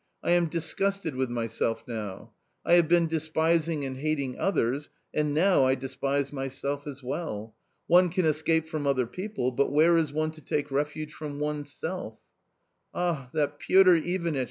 I am disgusted with my self now. I have been despising and hating others, and now I despise myself as well. One can escape from other people, but where is one to take refuge from oneself? "" Ah, that Piotr Ivanitch